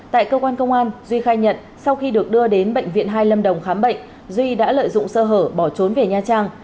tại cơ quan công an duy khai nhận sau khi được đưa đến bệnh viện hai lâm đồng khám bệnh duy đã lợi dụng sơ hở bỏ trốn về nha trang